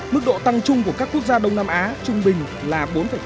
mức độ tăng chung của các quốc gia đông nam á trung bình là bốn tám bốn chín